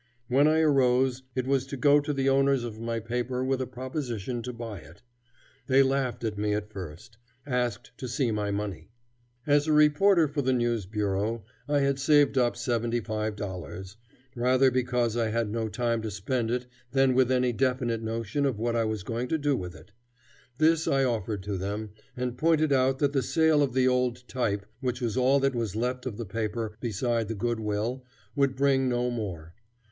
When I arose, it was to go to the owners of my paper with a proposition to buy it. They laughed at me at first; asked to see my money. As a reporter for the news bureau I had saved up $75, rather because I had no time to spend it than with any definite notion of what I was going to do with it. This I offered to them, and pointed out that the sale of the old type, which was all that was left of the paper beside the goodwill, would bring no more.